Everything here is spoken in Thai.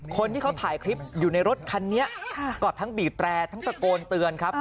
คนที่เขาถ่ายคลิปอยู่ในรถคันนี้กอดทั้งบีบแตรทั้งตะโกนเตือนครับ